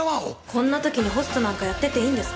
こんな時にホストなんかやってていいんですか？